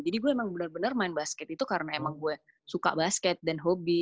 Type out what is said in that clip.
jadi gue emang benar benar main basket itu karena emang gue suka basket dan hobi